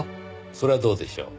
それはどうでしょう？